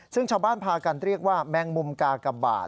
ซึ่งชาวบ้านพากันเรียกว่าแมงมุมกากบาท